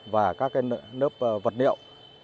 và các nớp vật liệu